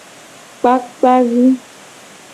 Kpakpa vi.